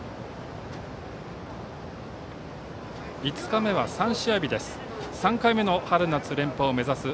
５日目は３試合日です。